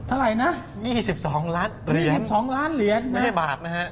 เท่าไหร่นะ๒๒ล้านเหรียญไม่ใช่บาทนะฮะ